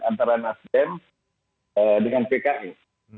antara nasdem dengan pks